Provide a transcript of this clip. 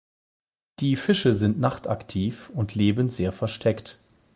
Die Fische sind nachtaktiv und leben sehr versteckt.